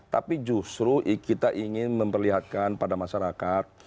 tapi justru kita ingin memperlihatkan pada masyarakat